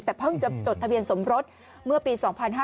แต่เพิ่งจะจดทะเบียนสมรสเมื่อปี๒๕๕๙